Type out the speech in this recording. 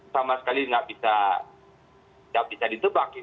sama sekali tidak bisa ditebak